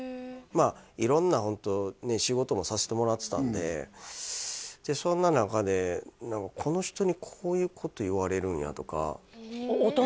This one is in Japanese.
色んなホントね仕事もさせてもらってたんでそんな中でこの人にこういうこと言われるんやとか大人？